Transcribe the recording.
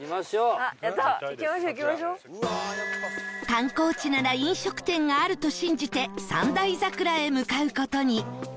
観光地なら飲食店があると信じて三大桜へ向かう事に